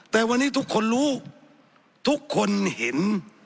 แต่วันนี้ทุกคนรู้ทุกคนเห็น